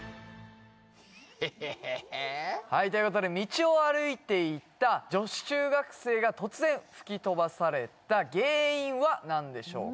ええはいということで道を歩いていた女子中学生が突然吹き飛ばされた原因は何でしょうか？